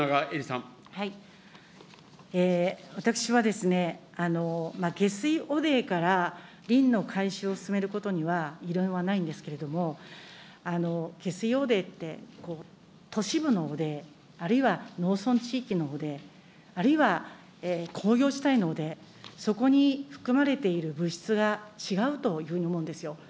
私は、下水汚泥からリンの回収を進めることには、異論はないんですけれども、下水汚泥って、都市部の汚泥、あるいは農村地域の汚泥、あるいは工業地帯の汚泥、そこに含まれている物質が違うというふうに思うんですよ。